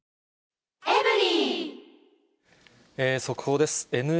速報です。